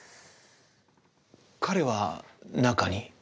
彼は中に？